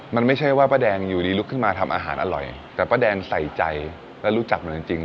มันไม่ใช่ว่าป้าแดงอยู่ดีลุกขึ้นมาทำอาหารอร่อยแต่ป้าแดงใส่ใจและรู้จักมันจริง